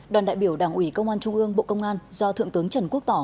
đoàn đại biểu đảng ủy công an trung ương bộ công an do thượng tướng trần quốc tỏ